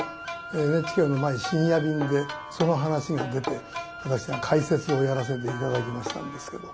ＮＨＫの前「深夜便」でその話が出て私が解説をやらせて頂きましたんですけど。